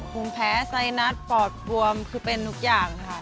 ภูมิแพ้ไซนัสปอดบวมคือเป็นทุกอย่างค่ะ